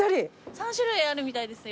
３種類あるみたいですよ。